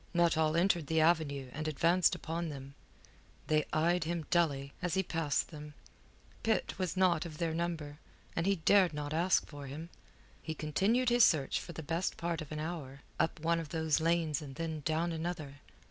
Nuttall entered the avenue and advanced upon them. They eyed him dully, as he passed them. Pitt was not of their number, and he dared not ask for him. He continued his search for best part of an hour, up one of those lanes and then down another.